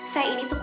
saya ini tuh kogel